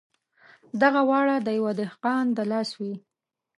دغه واړه د یوه دهقان د لاس وې.